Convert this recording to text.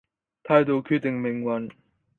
態度決定命運